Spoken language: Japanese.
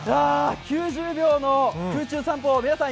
９０秒の空中散歩皆さん